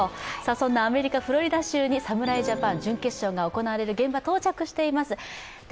そんなアメリカ・フロリダ州に侍ジャパン、準決勝が行われる現場、到着しています。